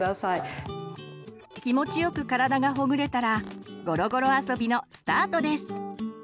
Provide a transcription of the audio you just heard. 気持ちよく体がほぐれたらごろごろ遊びのスタートです。